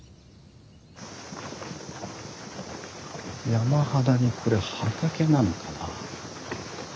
山肌にこれ畑なのかな？